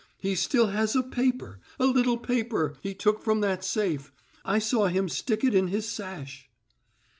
He still has a paper a little paper he took from that safe. I saw him stick it in his sash."